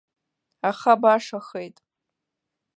Аха башахеит.